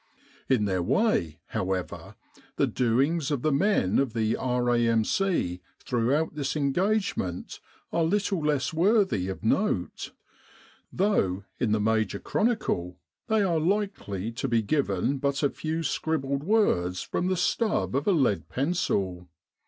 In their way, however, the doings of the men of the R.A.M.C. throughout this engagement are little less worthy of note; though, in the major chronicle, they are likely to be given but a few scribbled words from the stub of a lead pencil.